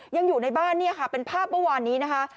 อยู่ในบ้านเนี่ยค่ะเป็นภาพเมื่อวานนี้นะคะ